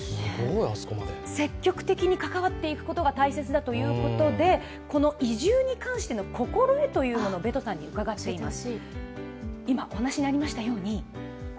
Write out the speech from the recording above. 積極的に関わっていくことが大切だということで、移住に関しての心得をベトさんに伺いました。